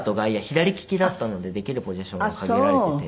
左利きだったのでできるポジションが限られていて。